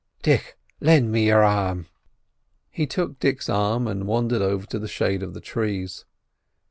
Dick, lend me your arum." He took Dick's arm and wandered over to the shade of the trees.